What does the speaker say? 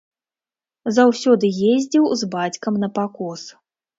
Заўсёды ездзіў з бацькам на пакос.